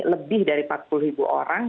lebih dari empat puluh ribu orang